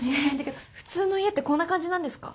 えっ普通の家ってこんな感じなんですか？